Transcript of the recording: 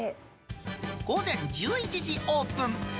午前１１時オープン。